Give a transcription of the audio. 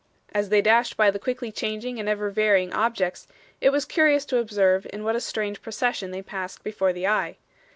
As they dashed by the quickly changing and ever varying objects, it was curious to observe in what a strange procession they passed before the eye.